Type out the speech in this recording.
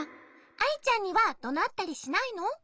アイちゃんにはどなったりしないの？